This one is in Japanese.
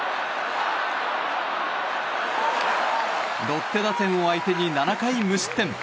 ロッテ打線を相手に７回無失点。